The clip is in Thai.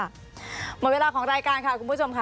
หมดเวลาของรายการค่ะคุณผู้ชมค่ะ